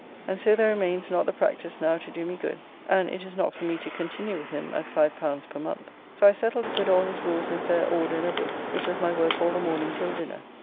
And so there remains not the practice now to do me good, and it is not for me to continue with him at; L5 per month. So I settled to put all his rules in fair order in a book, which was my work all the morning till dinner.